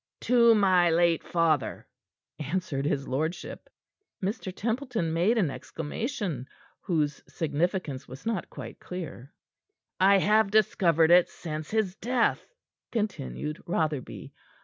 "To my late father," answered his lordship. Mr. Templeton made an exclamation, whose significance was not quite clear. "I have discovered it since his death," continued Rotherby.